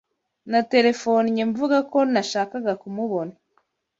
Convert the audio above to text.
Naterefonnye mvuga ko nashakaga kumubona.